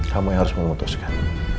kamu yang harus memutuskan